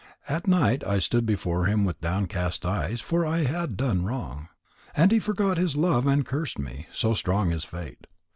At night I stood before him with downcast eyes, for I had done wrong. And he forgot his love and cursed me so strong is fate.